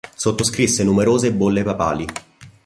Sottoscrisse numerose bolle papali.